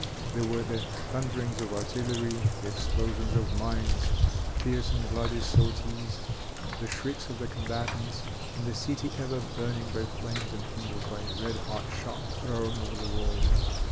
There were the thunderings of artillery, the explosion of mines, fierce and bloody sorties, the shrieks of the combatants, and the city ever burning by flames enkindled by red hot shot thrown over the walls.